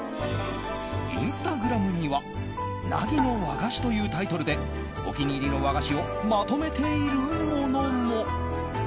インスタグラムにはなぎの和菓子というタイトルでお気に入りの和菓子をまとめているものも。